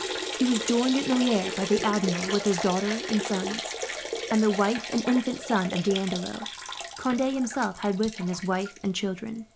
He was joined at Noyers by the Admiral, with his daughter and sons, and the wife and infant son of D'Andelot. Conde himself had with him his wife and children.